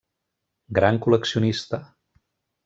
Gran col·leccionista.